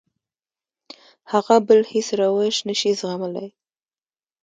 هغه بل هېڅ روش نه شي زغملی.